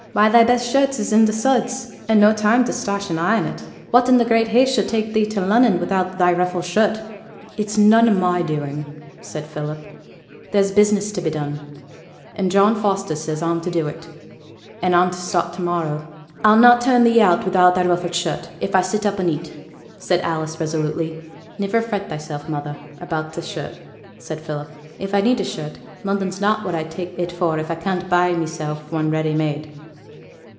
Why, thy best shirt is in t' suds, and no time for t' starch and iron it. Whatten the great haste as should take thee to Lunnon wi'out thy ruffled shirt?' 'It's none o' my doing,' said Philip; 'there's business to be done, and John Foster says I'm to do it; and I'm to start to morrow.' 'I'll not turn thee out wi'out thy ruffled shirt, if I sit up a' neet,' said Alice, resolutely. 'Niver fret thyself, mother, about t' shirt,' said Philip. 'If I need a shirt, London's not what I take it for if I can't buy mysel' one ready made.'